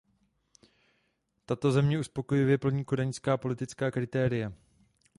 Tato země uspokojivě plní kodaňská politická kritéria.